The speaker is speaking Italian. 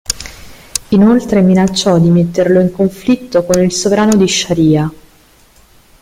Inoltre, minacciò di metterlo in conflitto con il sovrano di Sharja.